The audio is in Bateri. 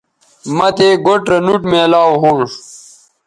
مہ تے گوٹھ رے نوٹ میلاو ھونݜ